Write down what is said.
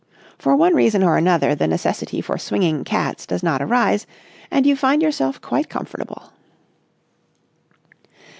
For one reason or another the necessity for swinging cats does not arise, and you find yourself quite comfortable.